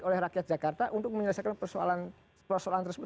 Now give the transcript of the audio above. oleh rakyat jakarta untuk menyelesaikan persoalan tersebut